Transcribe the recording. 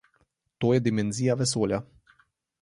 To je dimenzija vesolja.